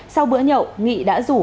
sau bữa nhậu nghị đã rủ